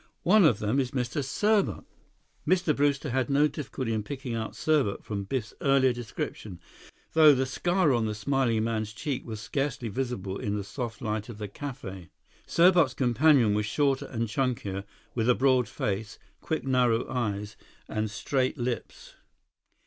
One of them is Mr. Serbot!" Mr. Brewster had no difficulty in picking out Serbot from Biff's earlier description, though the scar on the smiling man's cheek was scarcely visible in the soft light of the café. Serbot's companion was shorter and chunkier, with a broad face, quick, narrow eyes, and straight lips.